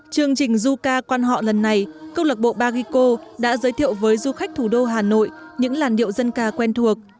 chương trình zuka quan họ lần này câu lạc bộ bagico đã giới thiệu với du khách thủ đô hà nội những làn điệu dân ca quen thuộc